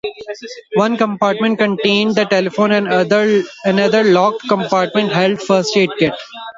One compartment contained the telephone and another locked compartment held a first aid kit.